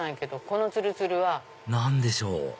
このつるつるは。何でしょう？